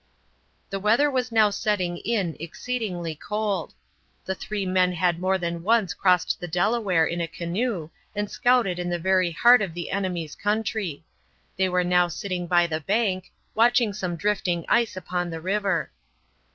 The weather was now setting in exceedingly cold. The three men had more than once crossed the Delaware in a canoe and scouted in the very heart of the enemy's country. They were now sitting by the bank, watching some drifting ice upon the river.